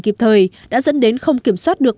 kịp thời đã dẫn đến không kiểm soát được